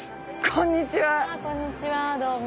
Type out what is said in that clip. こんにちは。